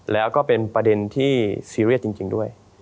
แล้วก็เป็นประเด็นที่ซีเรียสจริงด้วย